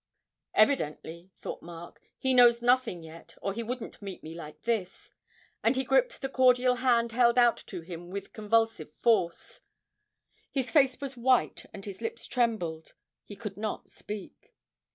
'Evidently,' thought Mark, 'he knows nothing yet, or he wouldn't meet me like this!' and he gripped the cordial hand held out to him with convulsive force; his face was white and his lips trembled, he could not speak.